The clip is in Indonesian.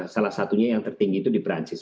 salah satunya yang tertinggi itu di perancis